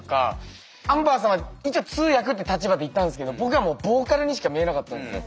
アンバーさんは一応通訳って立場で行ったんですけど僕はもうボーカルにしか見えなかったんですよ。